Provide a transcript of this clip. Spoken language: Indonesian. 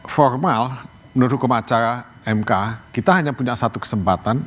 formal menurut hukum acara mk kita hanya punya satu kesempatan